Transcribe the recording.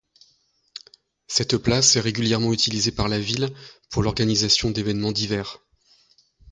Cette place est régulièrement utilisée par la ville pour l'organisation d'événements divers.